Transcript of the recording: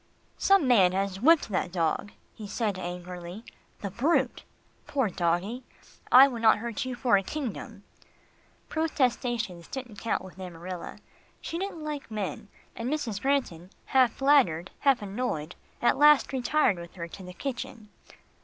"Some man has whipped that dog," he said angrily. "The brute! Poor doggie; I would not hurt you for a kingdom." Protestations didn't count with Amarilla. She didn't like men, and Mrs. Granton half flattered, half annoyed, at last retired with her to the kitchen.